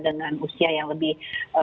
dengan usia yang lebih